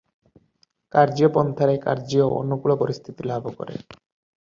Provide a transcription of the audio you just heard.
କାର୍ଯ୍ୟ ପନ୍ଥାରେ କାର୍ଯ୍ୟ ଓ ଅନୁକୂଳ ପରିସ୍ଥିତି ଲାଭ କରିପାରେ ।